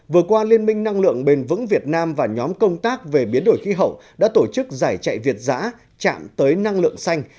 vừa qua liên minh năng lượng bền vững việt nam và nhóm công tác về biến đổi khí hậu đã tổ chức giải chạy việt giã chạm tới năng lượng xanh